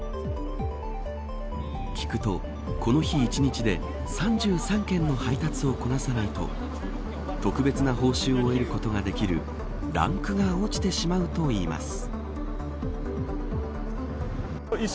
聞くと、この日１日で３３件の配達をこなさないと特別な報酬を得ることができるランクが落ちてしまうといいます。